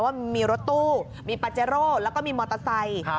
ว่ามีรถตู้มีปาเจโร่แล้วก็มีมอเตอร์ไซค์